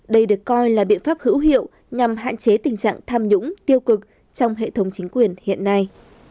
đây được coi là biện pháp hữu hiệu nhằm hạn chế tình trạng tham nhũng tiêu cực trong hệ thống chính quyền hiện nay